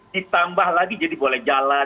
ditambah lagi jadi boleh jalan